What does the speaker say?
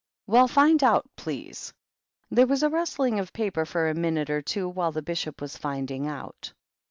" Well, find out, please I" There was a rustling of paper for a minute or two while the Bishop was finding out.